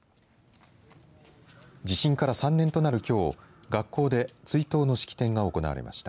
地震から３年となるきょう学校で追悼の式典が行われました。